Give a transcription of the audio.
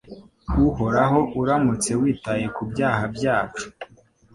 Uhoraho uramutse witaye ku byaha byacu